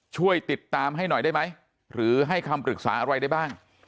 ช่วยติดตามให้หน่อยได้ไหมหรือให้คำปรึกษาอะไรได้บ้าง